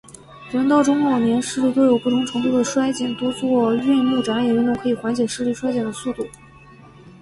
人到中老年，视力多有不同程度地衰减，多做运目眨眼运动可以减缓视力衰减的速度。